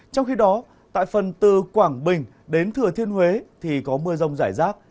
trong khi đó tại phần từ quảng bình đến thừa thiên huế thì có mưa rông rải rác